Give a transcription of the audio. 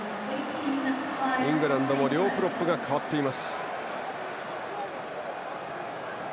イングランドも両プロップが代わっています。